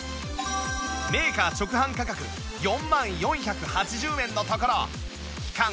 メーカー直販価格４万４８０円のところ期間